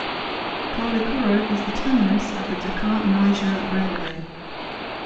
Koulikoro is the terminus of the Dakar-Niger railway.